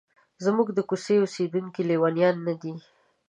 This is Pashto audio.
زموږ د کوڅې اوسیدونکي لیونیان نه دي.